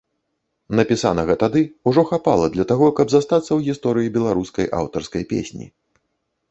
Напісанага тады ўжо хапала для таго, каб застацца ў гісторыі беларускай аўтарскай песні.